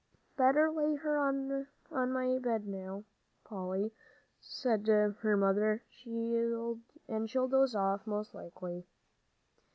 "Better lay her on my bed now, Polly," said her mother, "and she'll doze off, most likely."